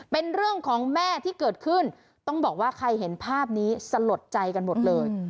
เป็นเรื่องของแม่ที่เกิดขึ้นต้องบอกว่าใครเห็นภาพนี้สลดใจกันหมดเลย